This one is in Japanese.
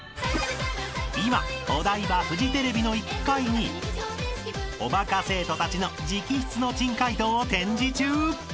［今お台場フジテレビの１階におバカ生徒たちの直筆の珍解答を展示中！］